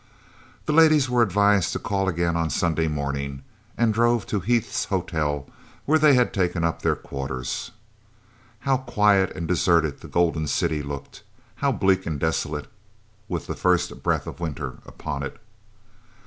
The ladies were advised to call again on Sunday morning and drove to Heath's Hotel, where they had taken up their quarters. How quiet and deserted the Golden City looked! How bleak and desolate, with the first breath of winter upon it!